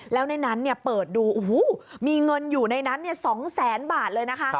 แล้วในนั้นเปิดดูโอ้โหมีเงินอยู่ในนั้น๒แสนบาทเลยนะคะ